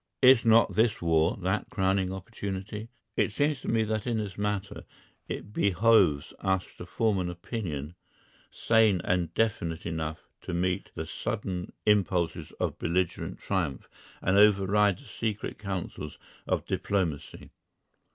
Is not this war that crowning opportunity? It seems to me that in this matter it behoves us to form an opinion sane and definite enough to meet the sudden impulses of belligerent triumph and override the secret counsels of diplomacy.